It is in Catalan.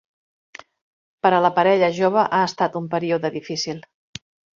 Per a la parella jove ha estat un període difícil.